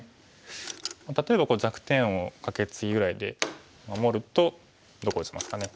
例えば弱点をカケツギぐらいで守るとどこ打ちますかね。